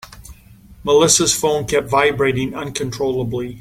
Melissa's phone kept vibrating uncontrollably.